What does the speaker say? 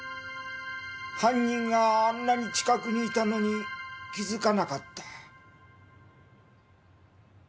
犯人があんなに近くにいたのに気づかなかった。